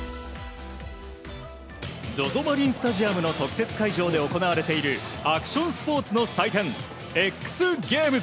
マリンスタジアムの特設会場で行われているアクションスポーツの祭典ＸＧａｍｅｓ。